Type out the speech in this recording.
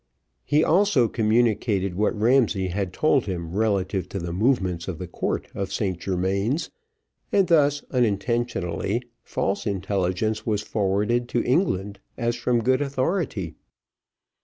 He also communicated what Ramsay had told him relative to the movements of the Court of St Germains, and thus, unintentionally, false intelligence was forwarded to England as from good authority.